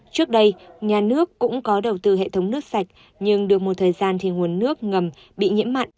trước đây nhà nước cũng có đầu tư hệ thống nước sạch nhưng được một thời gian thì nguồn nước ngầm bị nhiễm mặn